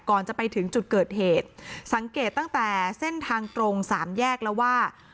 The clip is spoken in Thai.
จะไปถึงจุดเกิดเหตุสังเกตตั้งแต่เส้นทางตรงสามแยกแล้วว่า